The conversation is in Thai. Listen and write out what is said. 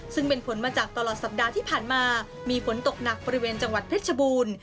ซึ่งเป็นผลมาจากตลอดสัปดาห์ที่ผ่านมามีฝนตกหนักบริเวณจังหวัดเพชรบูรณ์